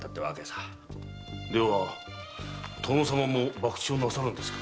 では殿様も博打をなさるんですか？